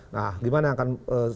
nah gimana akan